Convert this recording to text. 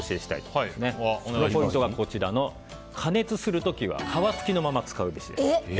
そのポイントが、加熱するときは皮付きのまま使うべしです。